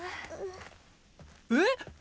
えっ？